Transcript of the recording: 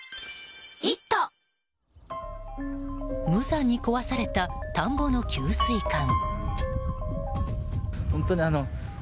無残に壊された田んぼの給水管。